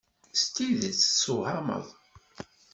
S tidet tessewhameḍ.